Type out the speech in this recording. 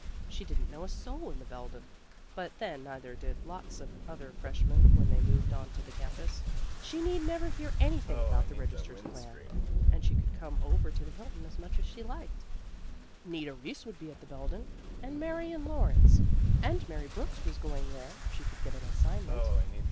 She didn't know a soul in the Belden but then neither did lots of other freshmen when they moved on to the campus. She need never hear anything about the registrar's plan, and she could come over to the Hilton as much as she liked. Nita Reese would be at the Belden, and Marion Lawrence; and Mary Brooks was going there if she could get an assignment.